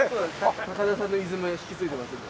高田さんのイズム引き継いでますので。